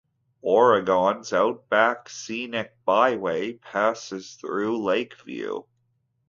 Oregon's Outback Scenic Byway passes through Lakeview.